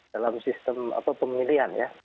dalam sistem pemilihan ya